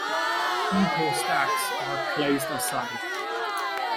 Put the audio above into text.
Equal stacks are placed aside.